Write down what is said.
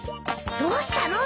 どうしたの？